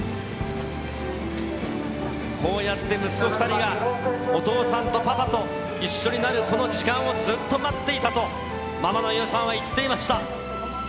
こうやって息子２人が、お父さんとパパと一緒になるこの時間をずっと待っていたと、ママの伊代さんは言っていました。